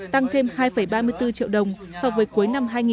tăng thêm hai ba mươi bốn triệu đồng so với cuối năm hai nghìn một mươi tám